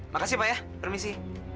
makasih pak ya permisi